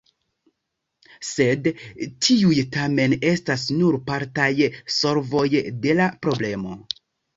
Sed tiuj tamen estas nur partaj solvoj de la problemo.